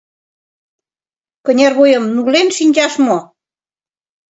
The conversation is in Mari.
Кынервуйым нулен шинчаш мо?